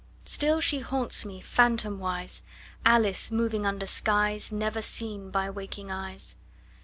Still she haunts me, phantomwise, Alice moving under skies Never seen by waking eyes.